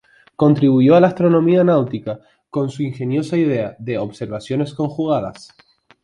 Contribuyó a la Astronomía Náutica con su ingeniosa idea de "Observaciones Conjugadas".